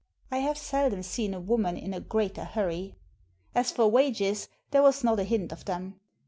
I have seldom seen a woman in a greater hurry. As for wages, there was not a hint of them.